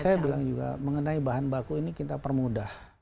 saya bilang juga mengenai bahan baku ini kita permudah